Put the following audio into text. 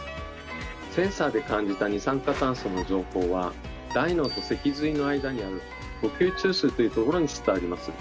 センサーで感じた二酸化炭素の情報は大脳と脊髄の間にある呼吸中枢というところに伝わります。